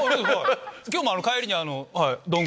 今日も帰りに。